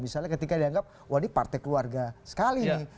misalnya ketika dianggap wadih partai keluarga sekali nih